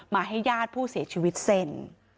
ให้ญาติผู้เสียชีวิตเซ็น